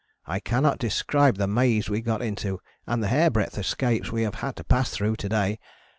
I cannot describe the maze we got into and the hairbreadth escapes we have had to pass through to day.